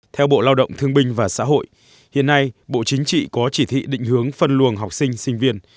theo bộ lao động thương binh và xã hội hiện nay bộ chính trị có chỉ thị định hướng phân luồng học sinh sinh viên